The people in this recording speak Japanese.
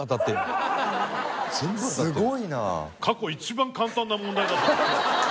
過去一番簡単な問題だった。